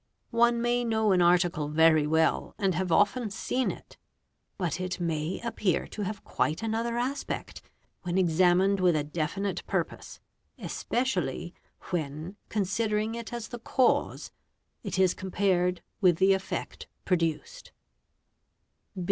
One may know an article very well and have often seen it, but 7t may appear to have quite another aspect when examined with a definite purpose, especially when, " considering it as the cause, it is compared with the effect produced.